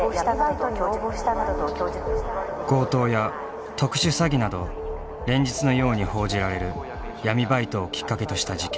強盗や特殊詐欺など連日のように報じられる闇バイトをきっかけとした事件。